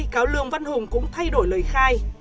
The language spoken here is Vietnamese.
cũng thay đổi lời khai